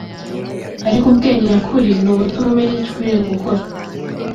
Ariko ubwenge nyakuri ni ubutuma umenya icyo ukwiye gukora